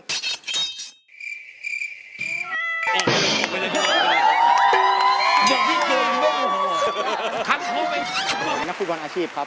คุณนักฟุตบอลอาชีพครับ